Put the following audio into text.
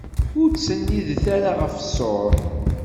Ur ttennidet ara ɣef ṣṣuṛ.